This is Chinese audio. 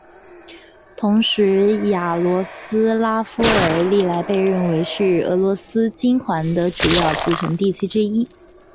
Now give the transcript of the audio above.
同时雅罗斯拉夫尔历来被认为是俄罗斯金环的主要组成地区之一。